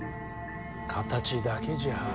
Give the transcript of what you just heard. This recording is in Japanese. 形だけじゃ。